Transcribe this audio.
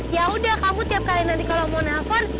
yaudah kamu tiap kali nanti kalo mau nelpon